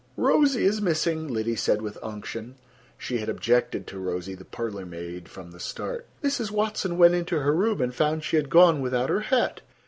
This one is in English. "Rosie is missing," Liddy said with unction. She had objected to Rosie, the parlor maid, from the start. "Mrs. Watson went into her room, and found she had gone without her hat.